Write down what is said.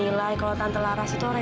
distinkan yang perlu diceritakan